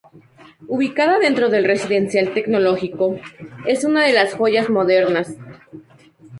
Ubicada dentro del Residencial Tecnológico, es una de las joyas modernas.